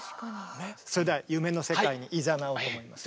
それでは夢の世界にいざなおうと思います。